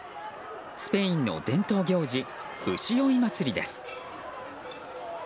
スペインの伝統行事牛追い祭りです。